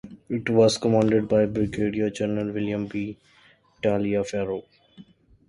It was commanded by Brigadier General William B. Taliaferro.